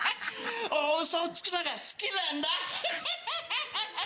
大ウソをつくのが好きなんだハハハ！